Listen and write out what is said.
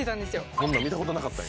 そんな見たことなかったんや。